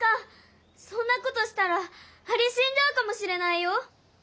そんなことしたらアリしんじゃうかもしれないよ。